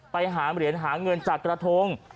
ไปหาเหรียญหาเงินจากกระทง